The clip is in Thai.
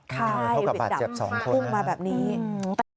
ใช่วิทย์ดับมาแบบนี้เข้ากับบาดเจ็บสองคน